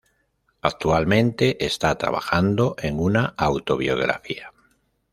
Actualmente está trabajando en una autobiografía.